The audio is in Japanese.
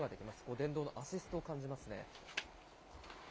電動のアシストを感じますね。